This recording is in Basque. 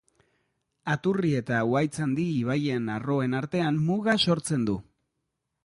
Aturri eta Uhaitzandi ibaien arroen artean muga sortzen du.